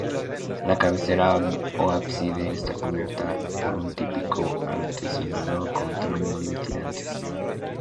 La cabecera o ábside está cubierta por un típico artesonado con tramos de tirantes.